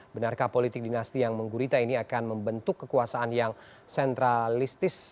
benarkah politik dinasti yang menggurita ini akan membentuk kekuasaan yang sentralistis